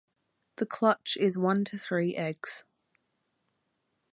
The clutch is one to three eggs.